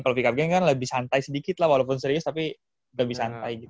kalau pkb kan lebih santai sedikit lah walaupun serius tapi lebih santai gitu